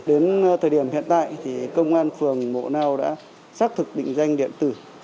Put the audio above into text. đến thời điểm hiện tại thì công an phường mộ nào đã xác thực định danh điện tử